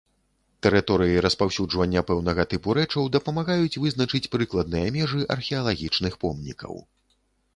Тэрыторыі распаўсюджвання пэўнага тыпу рэчаў дапамагаюць вызначыць прыкладныя межы археалагічных помнікаў.